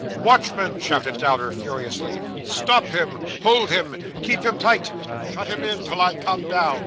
'Watchman,' shouted Dowler furiously, 'stop him hold him keep him tight shut him in, till I come down.